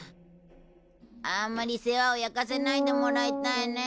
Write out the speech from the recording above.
あんまり世話をやかせないでもらいたいねぇ。